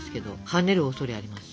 はねるおそれあります。